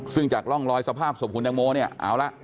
ซึ่งจากร่องลอยสภาพศพคุณแต่งโมเอาละ